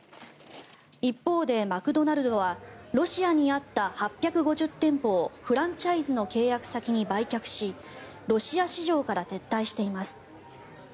一方で、マクドナルドはロシアにあった８５０店舗をフランチャイズの契約先に売却しロシア市場から撤退しています。